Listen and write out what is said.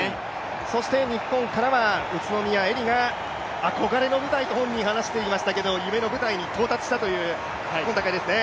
そして日本からは宇都宮絵莉が、憧れの舞台と本人話していましたけれども夢の舞台に到達したという今大会ですね。